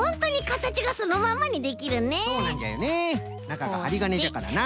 なかがはりがねじゃからな。